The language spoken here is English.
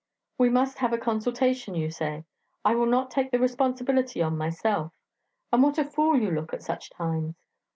'We must have a consultation,' you say; 'I will not take the responsibility on myself.' And what a fool you look at such times!